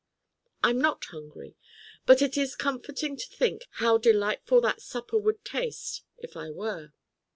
I'm not hungry, but it is comforting to think how delightful that supper would taste if I were.